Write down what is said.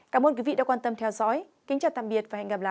cảm ơn quý vị đã quan tâm theo dõi kính chào tạm biệt và hẹn gặp lại